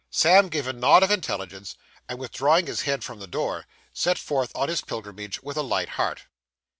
Sam gave a nod of intelligence, and withdrawing his head from the door, set forth on his pilgrimage with a light heart.